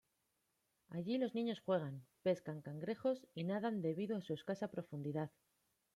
Allí los niños juegan, pescan cangrejos y nadan debido a su escasa profundidad.